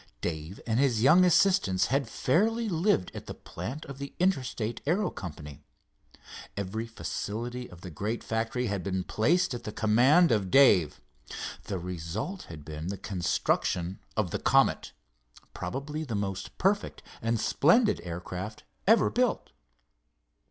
Dave and his young assistants had fairly lived at the plant of the Interstate Aero Company. Every facility of the great factory had been placed at the command of Dave. The result had been the construction of the Comet, probably the most perfect and splendid aircraft ever built.